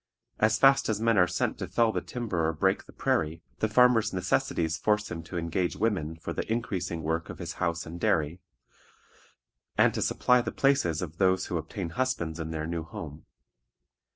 As fast as men are sent to fell the timber or break the prairie, the farmer's necessities force him to engage women for the increasing work of his house and dairy, and to supply the places of those who obtain husbands in their new home.